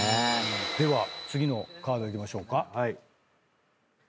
では次のカードいきましょうか。